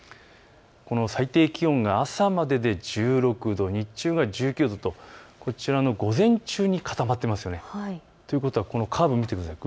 最低気温が朝までで１６度、日中が１９度と午前中に固まっていますね。ということはこのカーブを見てください。